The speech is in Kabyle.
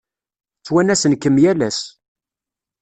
Ttwanasen-kem yal ass.